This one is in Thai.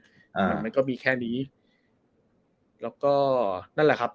อ่ามันก็มีแค่นี้แล้วก็นั่นแหละครับ